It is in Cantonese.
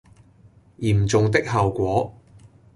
嚴重的後果